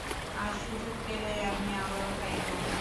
আর সুযোগ পেলে আমি আবারও তাই করব।